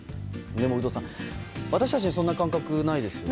でも有働さん、私たちにはそんな感覚はないですよね。